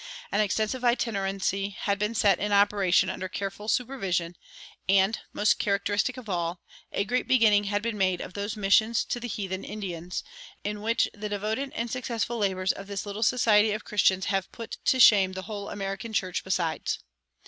An extensive itinerancy had been set in operation under careful supervision, and, most characteristic of all, a great beginning had been made of those missions to the heathen Indians, in which the devoted and successful labors of this little society of Christians have put to shame the whole American church besides.